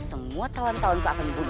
semua tawan tawanku akan dibunuh